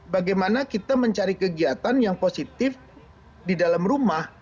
bagaimana kita mencari kegiatan yang positif di dalam rumah